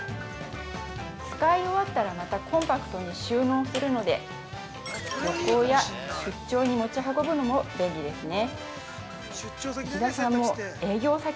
◆使い終わったらまたコンパクトに収納するので旅行や出張に持ち運ぶのも便利ですね。